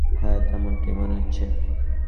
হ্যাঁ, তেমনটাই মনে হচ্ছে।